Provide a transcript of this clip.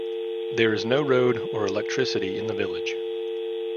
There is no road or electricity in the village.